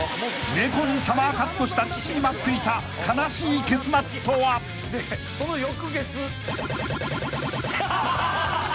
［猫にサマーカットした父に待っていた悲しい結末とは？］でその。